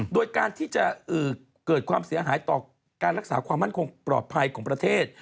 โดยการที่จะเกิดความเสียหายต่อการรักษาความมั่นคงปลอดภัยของประเทศ